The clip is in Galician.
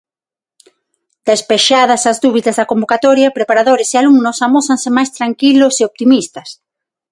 Despexadas as dúbidas da convocatoria, preparadores e alumnos amósanse máis tranquilos e optimistas.